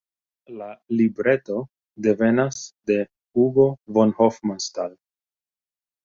La libreto devenas de Hugo von Hofmannsthal.